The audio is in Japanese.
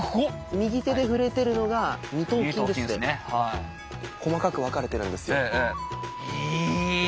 右手で触れてるのが細かく分かれてるんですよ。